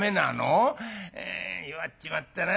「弱っちまったな。